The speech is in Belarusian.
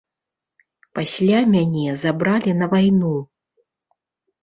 Пасля мяне забралі на вайну.